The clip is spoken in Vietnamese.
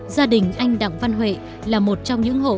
gia đình anh đặng văn huệ là một trong những hộ